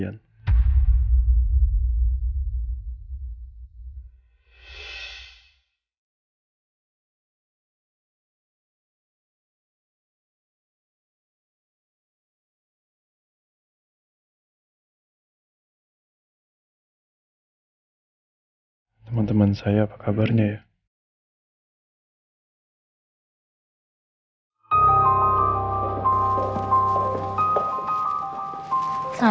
kalau denken sekali saya melihat wajah kalian